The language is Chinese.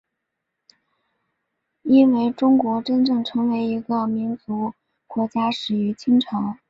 因为中国真正成为一个多民族国家始于清朝。